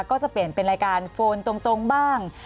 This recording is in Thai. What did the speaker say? ก็จะเปลี่ยนเป็นรายการโฟนตรงบ้าง